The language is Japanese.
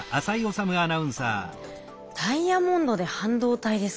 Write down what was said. ダイヤモンドで半導体ですか。